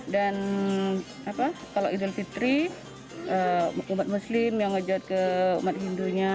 dan kalau idul fitri umat muslim yang ngejot ke umat hindunya